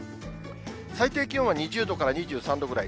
最低気温は２０度から２３度ぐらい。